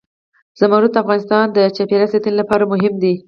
زمرد د افغانستان د چاپیریال ساتنې لپاره مهم دي.